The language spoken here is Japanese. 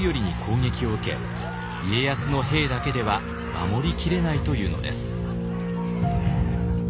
家康の兵だけでは守りきれないというのです。